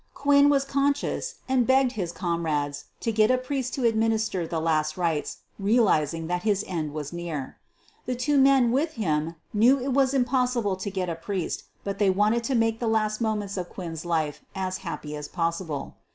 Quinn was conscious and begged his comrades to get a priest to administer the last rites, realizing that his end was near. The two men with him knew it was impossible to get a priest, but they wanted to make the last mo ments of Quinn 's life as happy as possible.